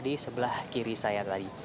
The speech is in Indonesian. di sebelah kiri saya tadi